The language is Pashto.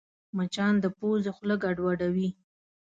مچان د پوزې خوله ګډوډوي